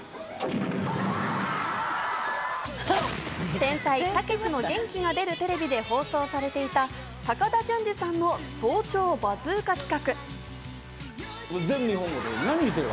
『天才・たけしの元気が出るテレビ！！』で放送されていた、高田純次さんの早朝バズーカ企画。